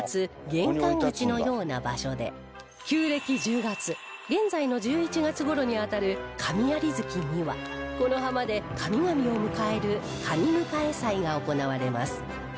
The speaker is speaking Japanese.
玄関口のような場所で旧暦１０月現在の１１月頃にあたる神在月にはこの浜で神々を迎える神迎祭が行われます